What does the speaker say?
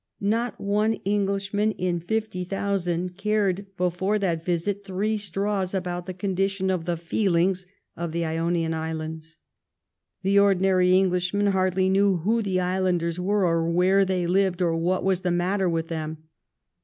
Not one Englishman in fifty thou sand cared before that visit three straws about the condition or the feelings of the Ionian Islands. The ordinary Englishman hardly knew who the islanders were, or where they lived, or what was the matter with them.